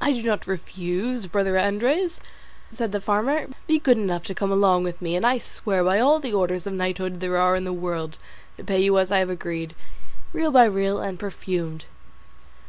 "I do not refuse, brother Andres," said the farmer, "be good enough to come along with me, and I swear by all the orders of knighthood there are in the world to pay you as I have agreed, real by real, and perfumed."